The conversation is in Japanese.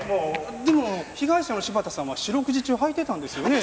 でも被害者の柴田さんは四六時中履いていたんですよね。